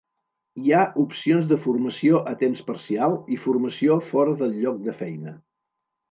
Hi ha opcions de formació a temps parcial i formació fora del lloc de feina.